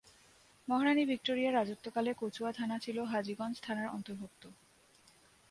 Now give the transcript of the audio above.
মহারাণী Victoria রাজত্বকালে কচুয়া থানা ছিল হাজীগঞ্জ থানার অন্তর্ভুক্ত।